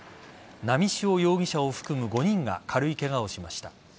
波汐容疑者を含む５人が軽いケガをしました。